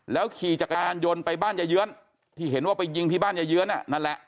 ขี่จักรยานยนต์ไปบ้านยายเยื้อนที่เห็นว่าไปยิงที่บ้านยาเยื้อนนั่นแหละ